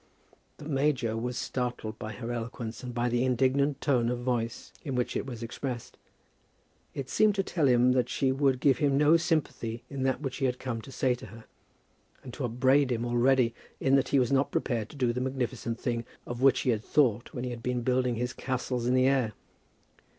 The major was startled by her eloquence, and by the indignant tone of voice in which it was expressed. It seemed to tell him that she would give him no sympathy in that which he had come to say to her, and to upbraid him already in that he was not prepared to do the magnificent thing of which he had thought when he had been building his castles in the air.